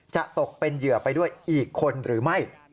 ตกเป็นเหยื่อไปด้วยอีกคนหรือไม่